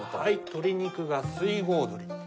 鶏肉が水郷どり。